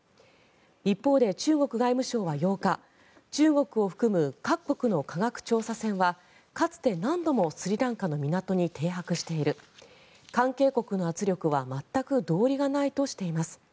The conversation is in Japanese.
一方で、中国外務省は８日中国を含む各国の科学調査船はかつて何度もスリランカの港に停泊している関係国の圧力は全く道理がないとしています。